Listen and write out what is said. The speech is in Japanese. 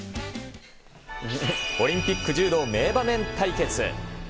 オリンピック柔道名場面対決。